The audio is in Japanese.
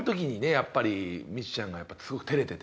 やっぱりミチちゃんがすごく照れてて。